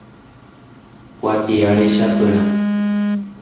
Kuatia rechapyrã.